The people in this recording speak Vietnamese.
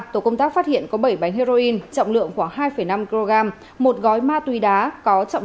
tổ công tác phát hiện có bảy bánh heroin trọng lượng khoảng hai năm kg một gói ma túy đá có trọng